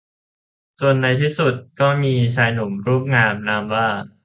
จนในที่สุดก็มีชายหนุ่มรูปงามนามว่า